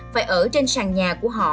phải ở trên sàn nhà của họ